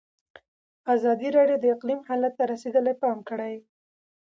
ازادي راډیو د اقلیم حالت ته رسېدلي پام کړی.